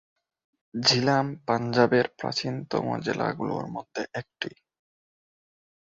ঝিলাম পাঞ্জাবের প্রাচীনতম জেলাগুলির মধ্যে একটি।